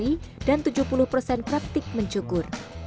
hanya pada minggu pertama peserta dikenalkan dengan alat cukur seperti klipper razor